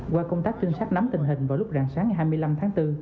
qua công tác trinh sát nắm tình hình vào lúc rạng sáng ngày hai mươi năm tháng bốn